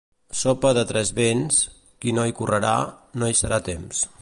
Sopa de tres vents: qui no hi correrà, no hi serà a temps.